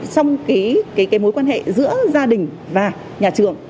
trong mối quan hệ giữa gia đình và nhà trường